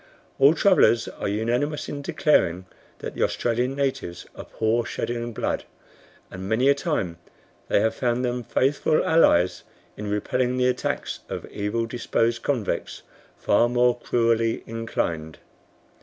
All travelers are unanimous in declaring that the Australian natives abhor shedding blood, and many a time they have found in them faithful allies in repelling the attacks of evil disposed convicts far more cruelly inclined."